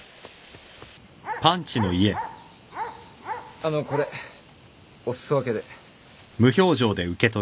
あのこれお裾分けで。